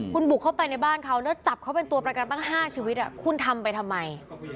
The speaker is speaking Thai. คุณบุกเข้าไปในบ้านเขาแล้วจับเขาเป็นตัวประกันตั้ง๕ชีวิตคุณทำไปทำไม